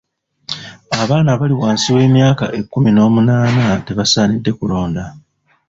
Abaana abali wansi w'emyaka ekkumi n'omunaana tebasaanidde kulonda.